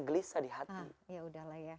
gelisah di hati